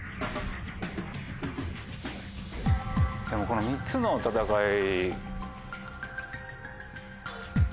この３つの戦い。